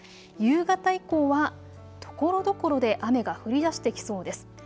夕方以降はところどころで雨が降りだしてきそうです。